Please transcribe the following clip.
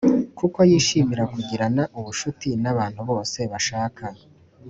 kuko yishimira kugirana ubucuti n abantu bose bashaka